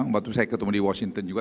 waktu itu saya ketemu di washington juga